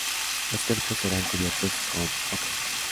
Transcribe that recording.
Los cuerpos eran cubiertos con ocre.